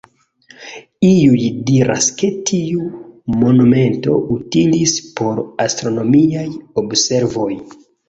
Iuj diras ke tiu monumento utilis por astronomiaj observoj.